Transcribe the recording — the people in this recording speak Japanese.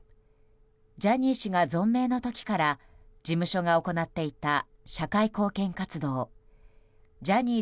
ジャニー氏が存命の時から事務所が行っていた社会貢献活動Ｊｏｈｎｎｙ